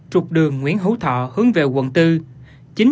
trục đường nguyễn hú thọ hướng về quận bốn